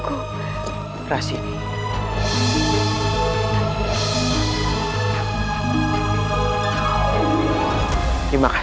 kalau saya yang belajar